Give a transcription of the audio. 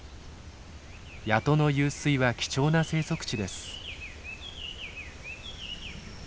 谷戸の湧水は貴重な生息地です。